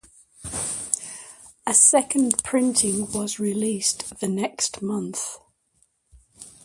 A second printing was released the next month.